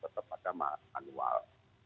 tetap ada manual